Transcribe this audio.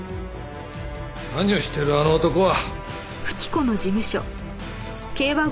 何をしているあの男は。